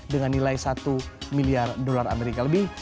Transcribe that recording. dengan nilai satu miliar dolar amerika lebih